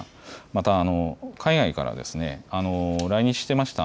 また海外から来日していました